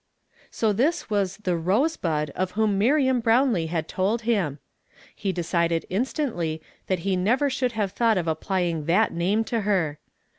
So this was the ''rosebud" of whom Miriam nrownlce had tohl liim. Ih d(H'i(h'd instantly that he never . ,li()uld liuve thought of applying that iiiinie to her.